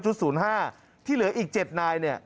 ที่เหลืออีก๗นายเนี่ย